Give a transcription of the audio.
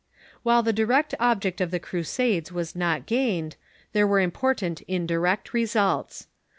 While the direct object of the Crusades was not gained, there were important indirect results.